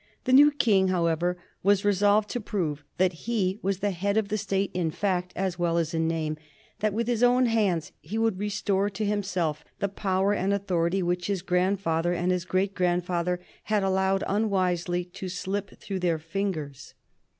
The new King, however, was resolved to prove that he was the head of the state in fact as well as in name; that with his own hands he would restore to himself the power and authority which his grandfather and his great grandfather had allowed unwisely to slip through their fingers.